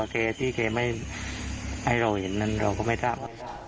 เคยไม่ให้เราเห็นนั้นเราก็ไม่ทราบ